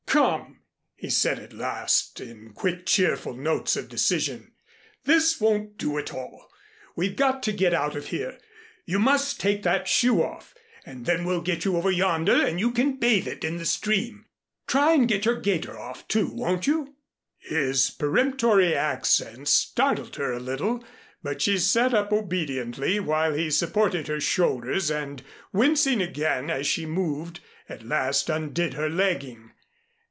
"Come," he said at last in quick cheerful notes of decision. "This won't do at all. We've got to get out of here. You must take that shoe off. Then we'll get you over yonder and you can bathe it in the stream. Try and get your gaiter off, too, won't you?" His peremptory accents startled her a little, but she sat up obediently while he supported her shoulders, and wincing again as she moved, at last undid her legging.